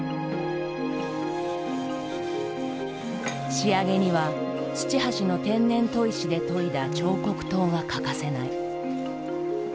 仕上げには土橋の天然砥石で研いだ彫刻刀が欠かせない。